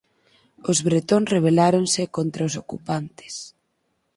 Os bretóns rebeláronse contra os ocupantes.